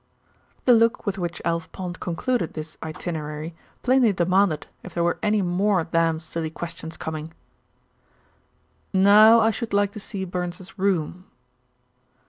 The look with which Alf Pond concluded this itinerary plainly demanded if there were any more damn silly questions coming. "Now I should like to see Burns's room."